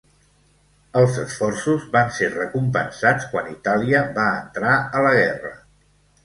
Els esforços van ser recompensats quan Itàlia va entrar a la guerra.